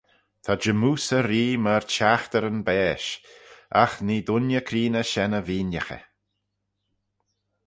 Ta jymmoose y ree myr chaghteryn baaish: agh nee dooinney creeney shen y veeinaghey.